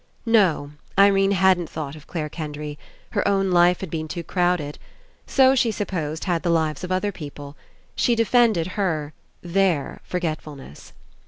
No, Irene hadn't thought of Clare Kendry. Her own life had been too crowded. So, she supposed, had the lives of other peo 28 ENCOUNTER pie. She defended her — their — forgetfulness.